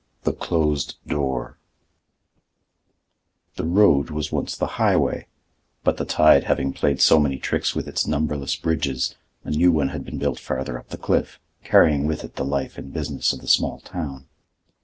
THE CLOSED DOOR The road was once the highway, but the tide having played so many tricks with its numberless bridges a new one had been built farther up the cliff, carrying with it the life and business of the small town.